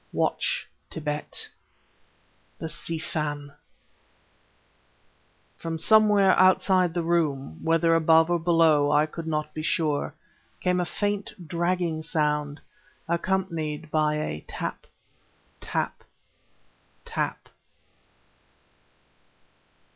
Watch Tibet ... the Si Fan...." From somewhere outside the room, whether above or below I could not be sure, came a faint, dragging sound, accompanied by a tap tap tap....